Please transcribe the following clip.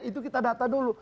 itu kita data dulu